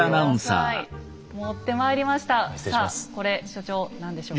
さあこれ所長何でしょうか？